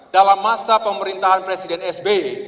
dalam masa pemerintahan presiden sby